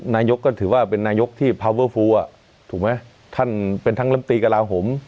นายกก็ถือว่าเป็นนายกที่พาวเวอร์ฟูลถูกไหมท่านเป็นทั้งลำตีกระลาโหม